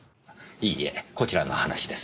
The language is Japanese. いいえこちらの話です。